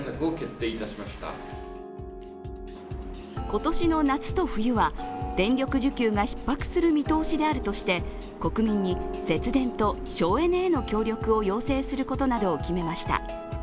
今年の夏と冬は、電力需給がひっ迫する見通しであるとして国民に節電と省エネへの協力を要請することなどを決めました。